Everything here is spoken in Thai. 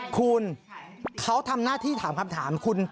คุณเขาทำหน้าที่ถามคำถามคุณ